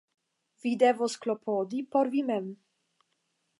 Vi devos klopodi por vi mem.